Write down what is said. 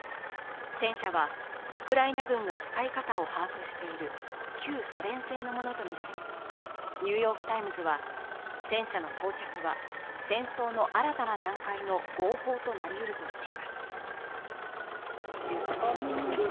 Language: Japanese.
戦車は、ウクライナ軍が使い方を把握している旧ソ連製のものとみられ、「ニューヨーク・タイムズ」は戦車の到着は戦争の新たな段階の号砲となりうるとしています。